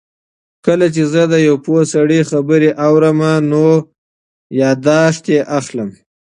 کله چې زه د یو پوه سړي خبرې اورم نو نوټ یې اخلم.